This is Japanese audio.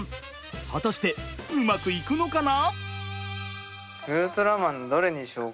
果たしてうまくいくのかな？